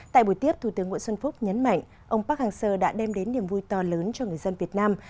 tại buổi tiếp thủ tướng nguyễn xuân phúc nhấn mạnh ông park hang seo đã đem đến niềm vui to lớn cho người dân việt nam